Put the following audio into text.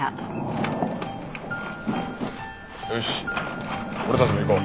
よし俺たちも行こう。